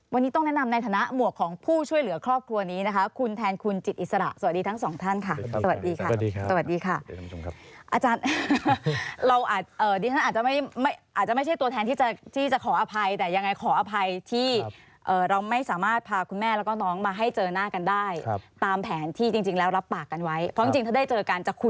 วันนี้ต้องแนะนำในฐานะหมวกของผู้ช่วยเหลือครอบครัวนี้นะคะคุณแทนคุณจิตอิสระสวัสดีทั้งสองท่านค่ะสวัสดีค่ะสวัสดีค่ะสวัสดีค่ะอาจารย์เราอาจจะไม่อาจจะไม่ใช่ตัวแทนที่จะที่จะขออภัยแต่ยังไงขออภัยที่เราไม่สามารถพาคุณแม่แล้วก็น้องมาให้เจอหน้ากันได้ตามแผนที่จริงแล้วรับปากกันไว้เพราะจริงถ้าได้เจอกันจะคุย